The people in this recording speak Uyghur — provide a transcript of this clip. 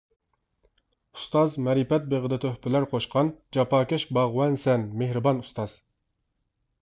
ئۇستاز مەرىپەت بېغىدا تۆھپىلەر قوشقان، جاپاكەش باغۋەنسەن مېھرىبان ئۇستاز.